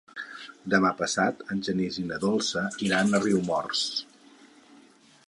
Demà passat en Genís i na Dolça iran a Riumors.